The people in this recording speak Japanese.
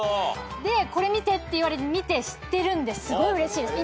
で「これ見て」って言われて見て知ってるんですごいうれしい。